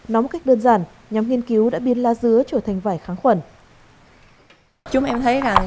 nóng một cách đơn giản nhóm nghiên cứu đã biến lá dứa trở thành vải kháng khuẩn